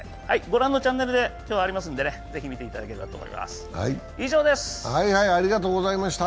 御覧のチャンネルで今日ありますのでぜひ見ていただければと思います。